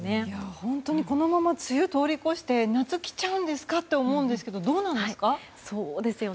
本当にこのまま梅雨を通り越して夏が来ちゃうんじゃないかと思いますがどうなんですか？